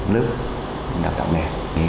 lớp đào tạo nghề